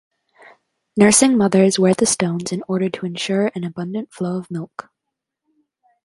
Nursing mothers wear the stones in order to ensure an abundant flow of milk.